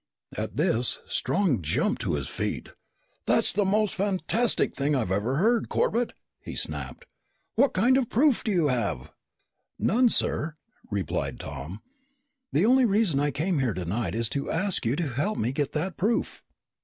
At this, Strong jumped to his feet. "That's the most fantastic thing I've ever heard, Corbett!" he snapped. "What kind of proof do you have?" "None, sir," replied Tom. "The only reason I came here tonight is to ask you to help me get that proof."